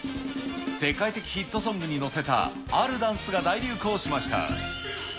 世界的ヒットソングに乗せたあるダンスが大流行しました。